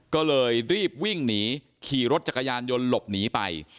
ก็เลยรีบวิ่งหนีขี่รถจักรยานยนต์หลบหนีไป